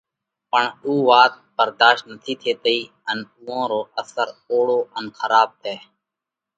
پڻ اُو وات ڀرڌاشت نٿِي ٿيتئِي ان اُوئا رو اثر اوۯو ان کراٻ تئه۔